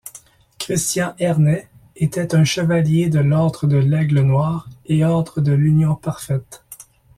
Christian-Ernest était un Chevalier de l'Ordre de l'Aigle noir et Ordre de l'Union parfaite.